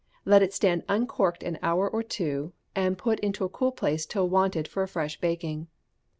Let it stand uncorked an hour or two, and put into a cool place till wanted for a fresh baking.